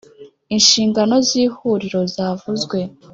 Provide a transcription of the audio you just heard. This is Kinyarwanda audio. inshingano z Ihuriro zavuzwe